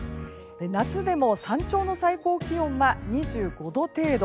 夏でも山頂の最高気温は２５度程度。